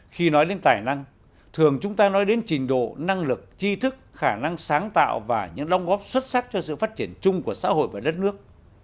khi nói đến tài năng thường chúng ta nói đến trình độ năng lực chi thức khả năng sáng tạo và những đóng góp xuất sắc cho sự phát triển chung của xã hội và đất nước